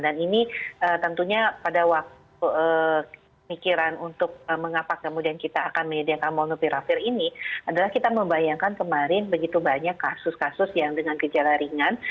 dan ini tentunya pada waktu pikiran untuk mengapa kemudian kita akan menyediakan molnupirafir ini adalah kita membayangkan kemarin begitu banyak kasus kasus yang dengan gejala ringan